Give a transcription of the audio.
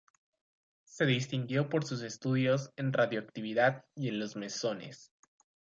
Se distinguió por sus estudios en radioactividad y en los mesones.